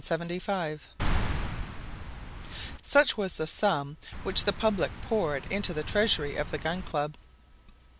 $5,446,675 Such was the sum which the public poured into the treasury of the Gun Club.